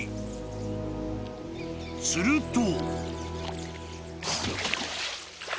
［すると］